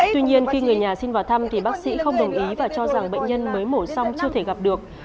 tuy nhiên khi người nhà xin vào thăm thì bác sĩ không đồng ý và cho rằng bệnh nhân mới mổ xong chưa thể gặp được